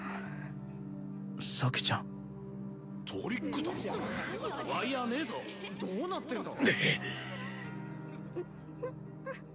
咲ちゃん・トリックだろこれ・ワイヤねえぞ・どうなってんだ？